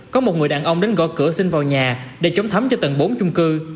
có một người đàn ông đánh gõ cửa xin vào nhà để chống thấm cho tầng bốn chung cư